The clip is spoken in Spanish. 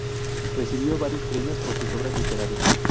Recibió varios premios por sus obras literarias.